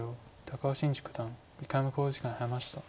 高尾紳路九段１回目の考慮時間に入りました。